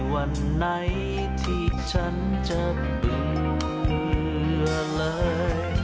วันไหนที่ฉันจะเบื่อเลย